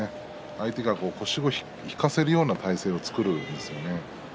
相手が腰を引かせるような体勢を作るんですね。